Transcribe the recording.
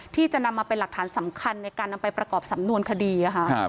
ที่จะนำมาเป็นหลักฐานสำคัญในการนำไปประกอบสำนวนคดี